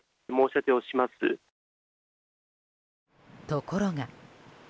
ところが。